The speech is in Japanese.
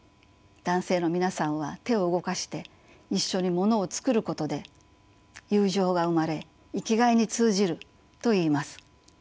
男性の皆さんは手を動かして一緒に物を作ることで友情が生まれ生きがいに通じるといいます。